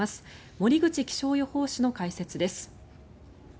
森口気象予報士の解説です。